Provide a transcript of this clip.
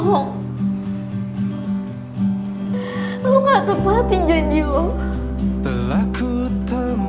untaian kata yang ku dambahkan